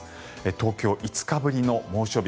東京、５日ぶりの猛暑日。